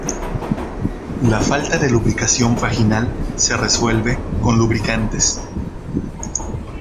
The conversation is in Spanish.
La falta de lubricación vaginal se resuelve con lubricantes.